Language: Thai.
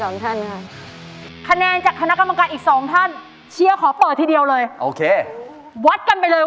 ก็จะเอาคำติชมนะคะคำแนะนำของกรรมการทุกคนนะคะไปปรับใช้กับเพลงที่หนูจะเล่าในทุกเพลงเลยค่ะ